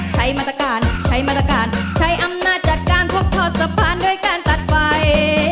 ใช้มาตรการใช้มาตรการใช้อำนาจจัดการพกทอดสะพานด้วยการตัดไฟ